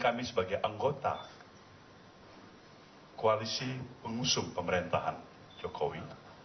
kami sebagai anggota koalisi pengusung pemerintahan jokowi